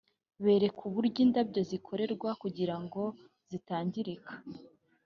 berekwa uburyo indabyo zikorerwa kugira ngo zitangirika